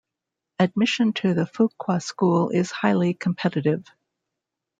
Admission to the Fuqua School is highly competitive.